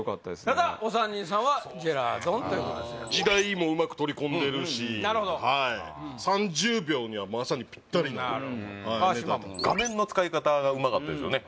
ただお三人さんはジェラードンという時代もうまく取り込んでるしなるほど３０秒にはまさにピッタリなるほど川島も画面の使い方がうまかったですよね